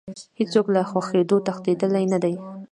هیڅ څوک له ښخېدو تښتېدلی نه دی.